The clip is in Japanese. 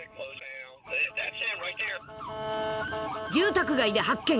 ［住宅街で発見］